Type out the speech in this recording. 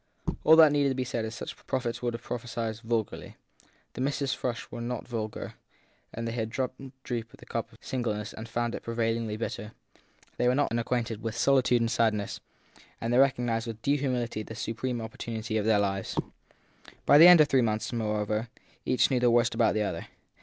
All that need be said is that such prophets would have prophesied vulgarly. THE THIRD PERSON 245 The Misses Frush were not vulgar; they had drunk deep of the cup of singleness and found it prevailingly bitter; they were not unacquainted with solitude and sadness, and they recognised with due humility the supreme opportunity of their lives. By the end of three months, moreover, each knew the worst about the other.